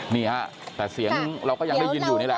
นี่ฮะแต่เสียงเราก็ยังได้ยินอยู่นี่แหละ